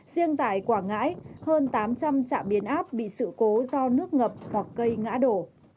riêng tại quảng ngãi hơn tám trăm linh trạm biến áp bị sự cố do nước ngập hoặc cây ngã đổ